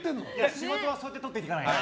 仕事はそうやって取っていかないと！